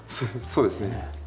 そうですね。